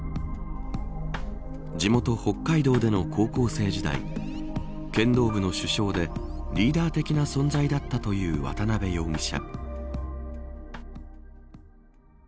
地元北海道での高校生時代剣道部の主将でリーダー的な存在だったという渡辺容疑者。